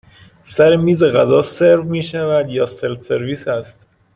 سر میز غذا سرو می شود یا سلف سرویس هست؟